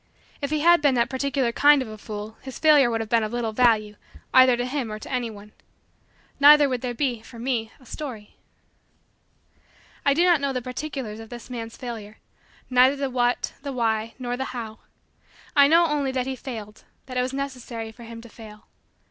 If he had been that particular kind of a fool his failure would have been of little value either to him or to any one. Neither would there be, for me, a story. I do not know the particulars of this man's failure neither the what, the why, nor the how. I know only that he failed that it was necessary for him to fail.